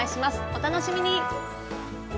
お楽しみに！